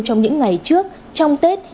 trong những ngày trước trong tết